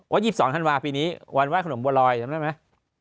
ว่า๒๒ธันวาฯปีนี้วันว่าห้ามขนมบัวรอยจำไม่ได้ไหม